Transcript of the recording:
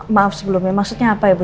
maaf sebelumnya maksudnya apa ya bu